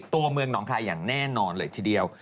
ตัวเมืองหนองคายอย่างแน่นอนเลยทีเดียว